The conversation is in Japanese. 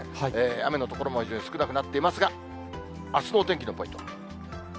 雨の所も非常に少なくなっていますが、あすのお天気のポイント。